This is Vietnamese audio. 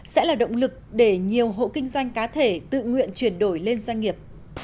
sẽ là động lực để nhiều hộ kinh doanh cá thể tự nguyện chuyển đổi lên doanh nghiệp